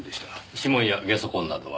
指紋やゲソ痕などは？